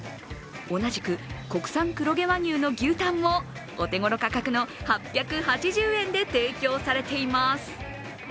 同じく国産黒毛和牛の牛タンもお手ごろ価格の８８０円で提供されています。